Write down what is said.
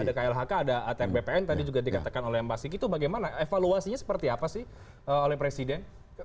jadi di klhk ada atr bpn tadi juga dikatakan oleh mbak siki itu bagaimana evaluasinya seperti apa sih oleh presiden